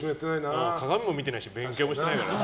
鏡も見てないし勉強もしてないからな。